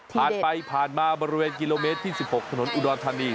ผ่านไปผ่านมาบริเวณกิโลเมตรที่๑๖ถนนอุดรธานี